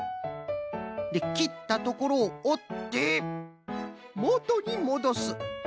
できったところをおってもとにもどす。